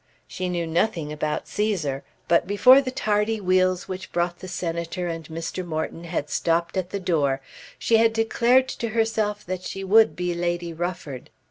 She knew nothing about Cæsar; but before the tardy wheels which brought the Senator and Mr. Morton had stopped at the door she had declared to herself that she would be Lady Rufford.